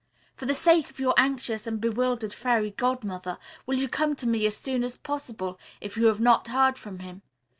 For the sake of your anxious and bewildered Fairy Godmother, will you come to me as soon as possible, if you have not heard from him?